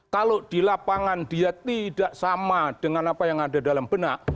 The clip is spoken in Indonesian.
kalau di lapangan dia tidak sama dengan apa yang ada dalam benak